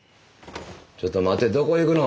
ちょっと待てどこ行くの。